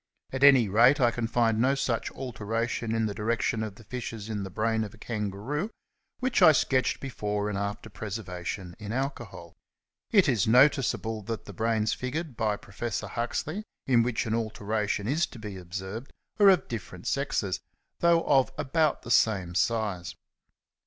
At any rate I can find no such alteration in the direction of the fissures in the brain of a Kangaroo which I sketched before and after preservation in alcohol. It is noticeable that the brains figured by Prof. Huxley, in which an alteration is to be observed, are of different sexes, though of about the same size.